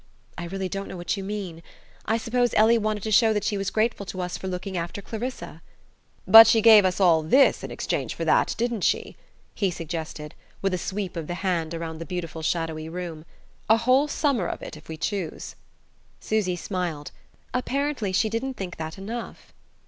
"I really don't know what you mean. I suppose Ellie wanted to show that she was grateful to us for looking after Clarissa." "But she gave us all this in exchange for that, didn't she?" he suggested, with a sweep of the hand around the beautiful shadowy room. "A whole summer of it if we choose." Susy smiled. "Apparently she didn't think that enough."